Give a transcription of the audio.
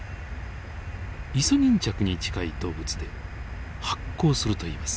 イソギンチャクに近い動物で発光するといいます。